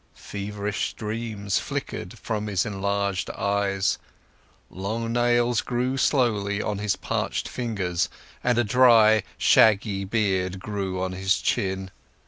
Feverish dreams flickered from his enlarged eyes, long nails grew slowly on his parched fingers and a dry, shaggy beard grew on his chin.